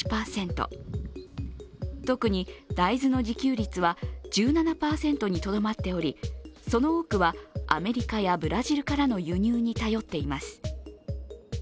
特に大豆の自給率は１７％にとどまっており、その多くは、アメリカやブラジルからの輸入に頼っています。